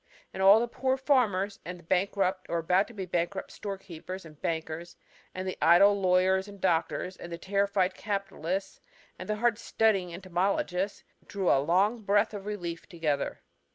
And all the poor farmers, and the bankrupt or about to be bankrupt storekeepers and bankers and the idle lawyers and doctors and the terrified capitalists and the hard studying entomologists drew a long breath of relief together."